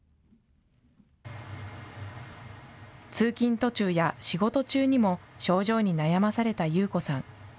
通勤途中や仕事中にも、症状に悩まされたユウコさん。